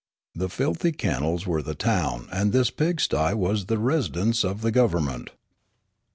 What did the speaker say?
The filthy kennels were the town, and this pigst}^ was the residence of the go^^ern ment.